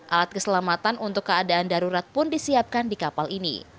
alat keselamatan untuk keadaan darurat pun disiapkan di kapal ini